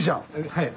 はい。